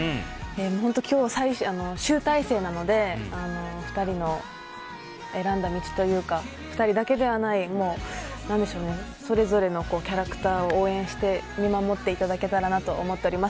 本当、今日が集大成なので２人の選んだ道というか２人だけではないそれぞれのキャラクターを応援して見守っていただけたらなと思っております。